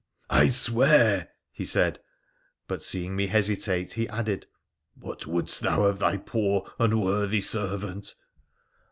' I swear !' he said ; but, seeing me hesitate, he added, ' What wouldst thou of thy poor, unworthy servant